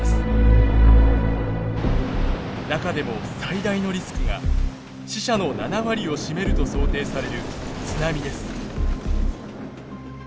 中でも最大のリスクが死者の７割を占めると想定される津波です。